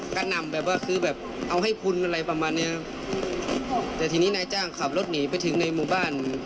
การนำอย่างขอให้พุนไว้แต่ที่นี้นายจ้างขับรถหนีไปถึงในหมู่บ้าน